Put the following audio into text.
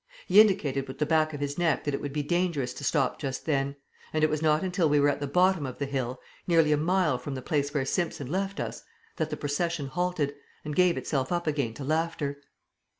He indicated with the back of his neck that it would be dangerous to stop just then; and it was not until we were at the bottom of the hill, nearly a mile from the place where Simpson left us, that the procession halted, and gave itself up again to laughter.